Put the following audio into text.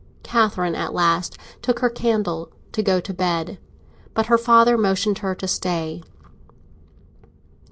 Catherine at last took her candle to go to bed, but her father motioned her to stay.